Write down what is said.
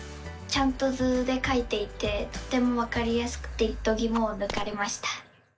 ちゃんと図でかいていてとてもわかりやすくてどぎもをぬかれました！